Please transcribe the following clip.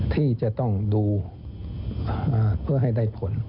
ที่จะต้องดูเพื่อให้ได้ผล